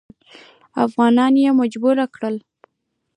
افغانان یې مجبور کړل.